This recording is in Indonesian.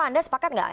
anda sepakat gak